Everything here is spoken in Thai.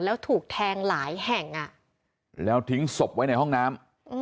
แล้วถูกแทงหลายแห่งแล้วทิ้งศพไว้ในห้องน้ำ